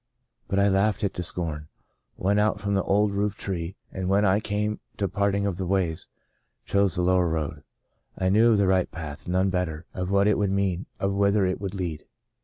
But I laughed it to scorn, went out from the old roof tree, and when I came to the part ing of the ways, chose the lower road. I knew of the right path — none better — of what it would mean, of Avhither it would lead.